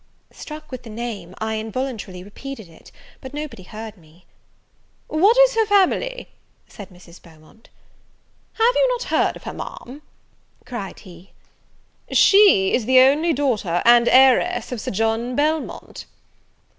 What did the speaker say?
Struck with the name, I involuntarily repeated it; but nobody heard me. "What is her family?" said Mrs. Beaumont. "Have you not heard of her, Ma'am?" cried he; "she is only daughter and heiress of Sir John Belmont."